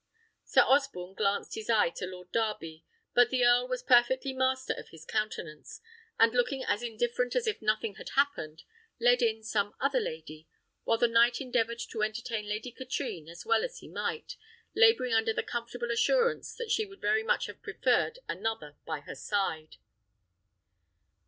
Sir Osborne glanced his eye to Lord Darby; but the earl was perfectly master of his countenance, and looking as indifferent as if nothing had happened, led in some other lady, while the knight endeavoured to entertain Lady Katrine as well as he might, labouring under the comfortable assurance that she would very much have preferred another by her side.